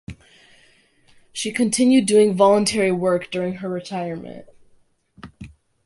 She continued doing voluntary work during her retirement.